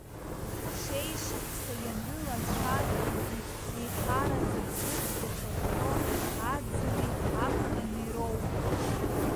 Шеишықәса ианрылацәажәогьы, еиҳараӡак зыӡбахә рҳәо аӡыни аԥхыни роуп.